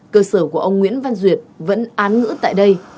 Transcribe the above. cơ sở của ông nguyễn văn duyệt vẫn án ngữ tại đây